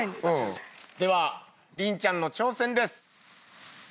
では麟ちゃんの挑戦です。